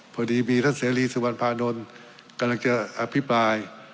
พอดีมีท่านเสรีสุวรรณภานนท์กำลังจะอภิปราย